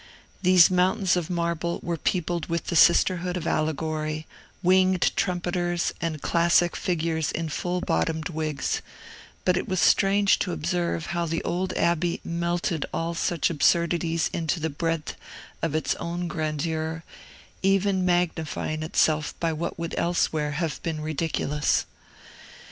These mountains of marble were peopled with the sisterhood of Allegory, winged trumpeters, and classic figures in full bottomed wigs; but it was strange to observe how the old Abbey melted all such absurdities into the breadth of its own grandeur, even magnifying itself by what would elsewhere have been ridiculous.